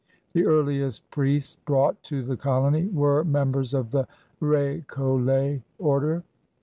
The earliest priests brought to the colony were members of the B6coUet Order.